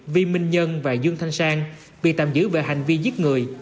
vi minh nhân và dương thanh sang bị tạm giữ về hành vi giết người